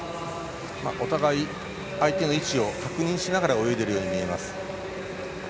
お互い相手の位置を確認しながら泳いでいるように見えます。